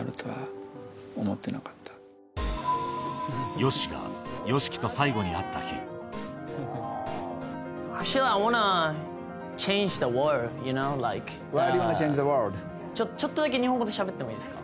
ＹＯＳＨＩがＹＯＳＨＩＫＩとちょっとだけ日本語でしゃべってもいいですか？